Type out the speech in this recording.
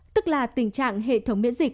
tức là tình trạng hệ thống miễn dịch